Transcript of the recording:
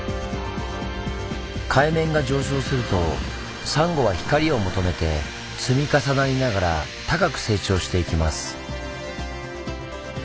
海面が上昇するとサンゴは光を求めて積み重なりながら高く成長していきます。